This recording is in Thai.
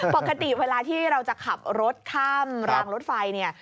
ปกติเวลาที่เราจะขับรถข้ามรางรถไฟเนี่ย